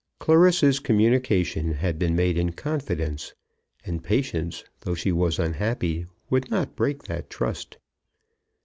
Clarissa's communication had been made in confidence; and Patience, though she was unhappy, would not break the trust.